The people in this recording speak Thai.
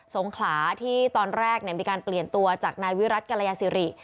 งขลาที่ตอนแรกมีการเปลี่ยนตัวจากนายวิรัติกรยาศิริ